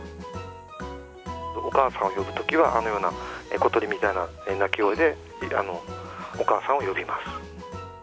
お母さんを呼ぶときは、あのような小鳥みたいな鳴き声で、お母さんを呼びます。